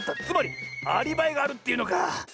つまりアリバイがあるっていうのか。